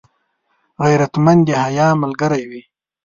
غیرتمند د حیا ملګری وي